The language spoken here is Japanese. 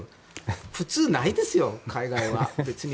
普通ないですよ、海外は。